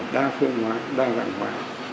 đa phương hoá đa dạng hoá